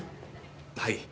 はい。